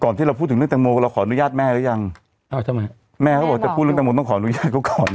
ที่เราพูดถึงเรื่องแตงโมเราขออนุญาตแม่หรือยังอ้าวทำไมแม่เขาบอกจะพูดเรื่องแตงโมต้องขออนุญาตเขาก่อนนะ